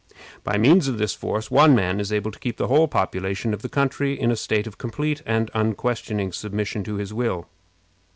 By means of this force one man is able to keep the whole population of the country in a state of complete and unquestioning submission to his will.